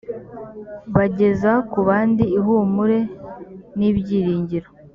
bageza ku bandi ihumure n ibyiringiro